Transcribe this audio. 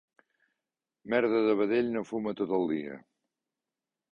Merda de vedell no fuma tot el dia.